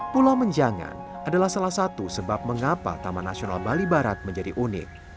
pulau menjangan adalah salah satu sebab mengapa taman nasional bali barat menjadi unik